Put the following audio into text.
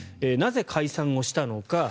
なぜ解散したのか。